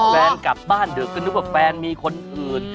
แฟนกลับบ้านดึกก็นึกว่าแฟนมีคนอื่น